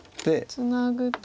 ツナぐと。